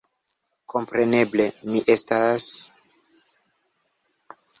Kompreneble, mi estas....